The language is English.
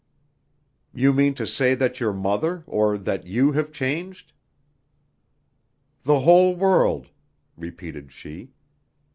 "You mean to say that your mother, or that you have changed?" "The whole world," repeated she.